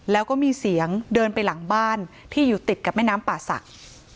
แล้วก็มีเสียงเดินไปหลังบ้านที่อยู่ติดกับแม่น้ำป่าศักดิ์